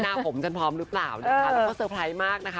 หน้าผมฉันพร้อมหรือเปล่านะคะแล้วก็เตอร์ไพรส์มากนะคะ